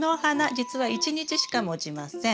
じつは１日しかもちません。